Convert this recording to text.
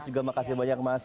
juga makasih banyak mas